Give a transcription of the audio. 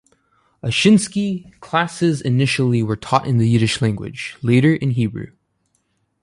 Ashinsky, classes initially were taught in the Yiddish language, later in Hebrew.